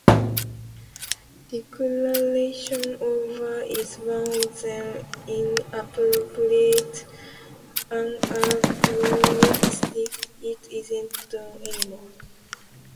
Declaration of war is one of them... Inappropriate, anachronistic, it isn't done anymore.